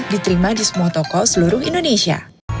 diterima di semua toko seluruh indonesia